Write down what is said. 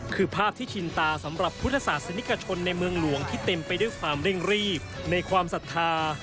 คือภาพที่ชินตาสำหรับพุทธศาสนิกชนในเมืองหลวงที่เต็มไปด้วยความเร่งรีบในความศรัทธา